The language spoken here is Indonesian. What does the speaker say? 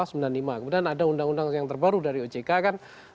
kemudian ada undang undang yang terbaru dari ojk kan